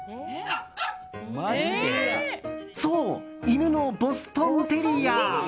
そう、犬のボストンテリア。